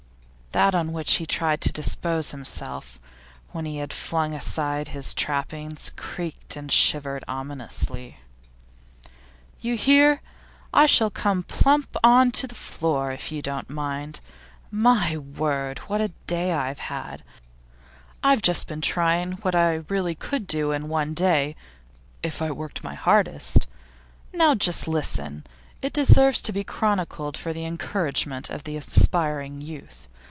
That on which he tried to dispose himself, when he had flung aside his trappings, creaked and shivered ominously. 'You hear? I shall come plump on to the floor, if I don't mind. My word, what a day I have had! I've just been trying what I really could do in one day if I worked my hardest. Now just listen; it deserves to be chronicled for the encouragement of aspiring youth.